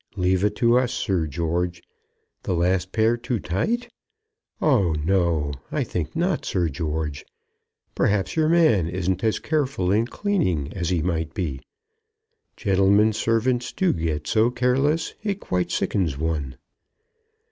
Leave it to us, Sir George. The last pair too tight? Oh, no; I think not, Sir George. Perhaps your man isn't as careful in cleaning as he ought to be. Gentlemen's servants do get so careless, it quite sickens one!"